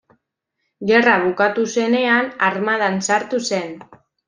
Gerra bukatu zenean, armadan sartu zen.